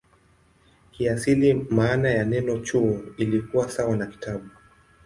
Kiasili maana ya neno "chuo" ilikuwa sawa na "kitabu".